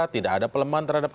tidak ada pelemahan terhadap